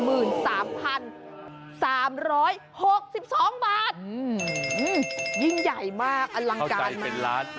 อื้มยิ่งใหญ่มากอลังการมาก